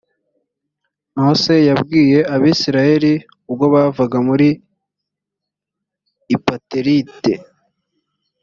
mose yabwiye abisirayeli ubwo bavaga muri ipatert